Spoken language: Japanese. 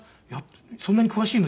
そんなに詳しいの？」。